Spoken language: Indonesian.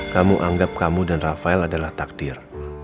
kamu anggap kamu dan rafael adalah takdir